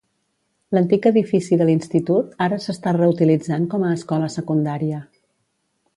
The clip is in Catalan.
L'antic edifici de l'institut ara s'està reutilitzant com a escola secundària.